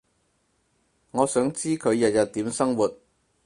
我想知佢日日點生活